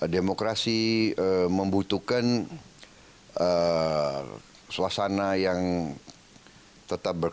demokrasi membutuhkan suasana yang tetap berkembang